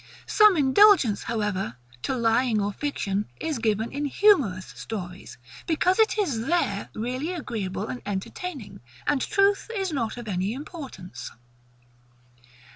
Some indulgence, however, to lying or fiction is given in HUMOROUS stories; because it is there really agreeable and entertaining, and truth is not of any importance.